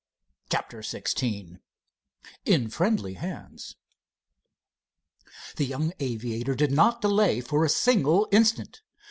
CHAPTER XVI IN FRIENDLY HANDS The young aviator did not delay for a single instant.